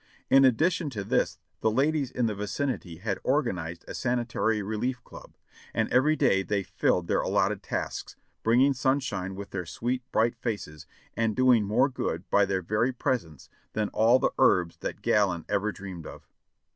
In addition to this the ladies in the vicinity had organized a sanitary relief club, and every day they filled their allotted tasks, bringing sunshine with their sweet, bright faces, and doing more good by their very presence than all the herbs that Galen ever dreamed of.